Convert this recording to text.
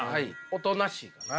おとなしいかな。